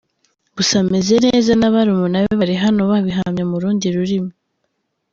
Gusa ameze neza na barumuna be bari hano babihamya no mu rundi rurimi.